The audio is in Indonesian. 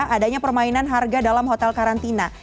adanya permainan harga dalam hotel karantina